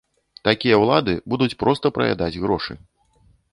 Такія ўлады будуць проста праядаць грошы.